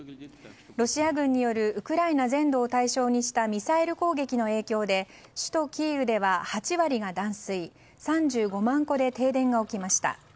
ロシア軍によるウクライナ全土を対象にしたミサイル攻撃の影響で首都キーウでは８割が断水３５万戸で停電が起きました。